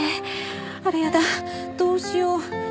あらやだどうしよう。